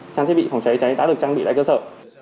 trang thiết bị phòng cháy cháy đã được trang bị tại cơ sở